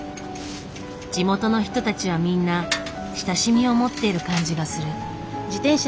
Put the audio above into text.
地元の人たちはみんな親しみを持っている感じがする。